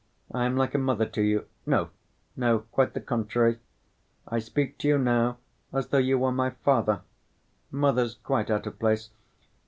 I am like a mother to you.... No, no; quite the contrary. I speak to you now as though you were my father—mother's quite out of place.